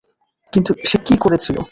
কিন্তু সে কী করেছিল?